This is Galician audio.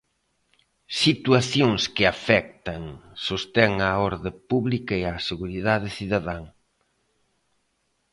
Situacións que afectan, sostén á orde pública e á seguridade cidadá.